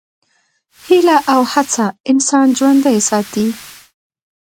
هیله او هڅه انسان ژوندی ساتي.